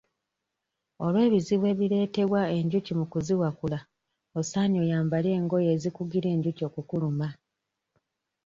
Olw'ebizibu ebireetebwa enjuki mu kuziwakula osaanye oyambale engoye ezikugira enjuki okukuluma.